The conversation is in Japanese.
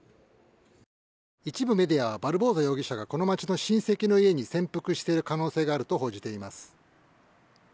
一部メディアはバルボサ容疑者がこの町の親戚の家に潜伏している可能性があると報じています。